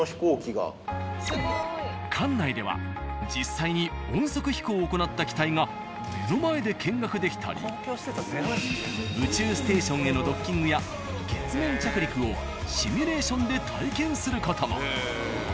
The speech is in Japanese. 館内では実際に音速飛行を行った機体が目の前で見学できたり宇宙ステーションへのドッキングや月面着陸をシミュレーションで体験する事も。